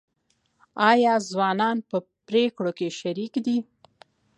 آیا ځوانان په پریکړو کې شریک دي؟